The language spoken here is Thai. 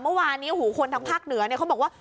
เมื่อวานี้คนทางภาคเหนือเขาบอกว่า